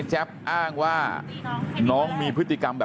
ลูกสาวหลายครั้งแล้วว่าไม่ได้คุยกับแจ๊บเลยลองฟังนะคะ